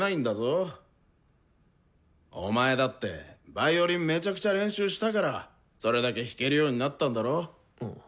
お前だってヴァイオリンめちゃくちゃ練習したからそれだけ弾けるようになったんだろ？